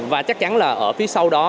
và chắc chắn là ở phía sau đó